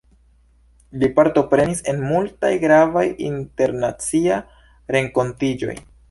Li partoprenis en multaj gravaj internaciaj renkontiĝoj.